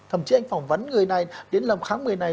thậm chí anh phỏng vấn người này đến làm khám người này